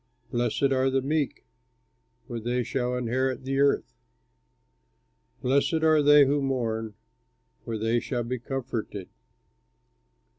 Blessed are the meek, For they shall inherit the earth. Blessed are they who mourn, For they shall be comforted.